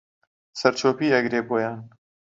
سەرچۆپی ئەگرێ بۆیان